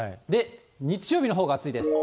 日曜日のほうが暑いです。